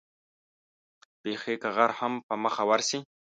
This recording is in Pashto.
بېخي که غر هم په مخه ورشي.